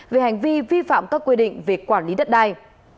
về hành vi vi phạm các quy định về quản lý đất đai